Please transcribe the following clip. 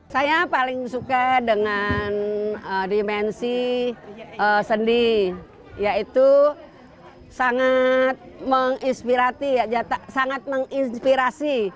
saya paling suka dengan dimensi seni yaitu sangat menginspirasi